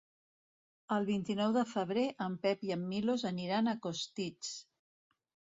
El vint-i-nou de febrer en Pep i en Milos aniran a Costitx.